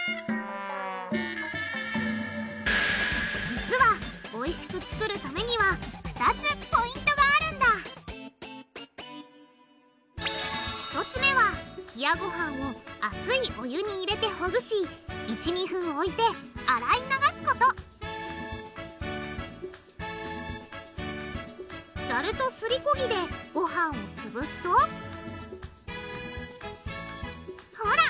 実はおいしく作るためには２つポイントがあるんだ１つ目は冷やごはんを熱いお湯に入れてほぐし１２分置いて洗い流すことざるとすりこぎでごはんをつぶすとほら！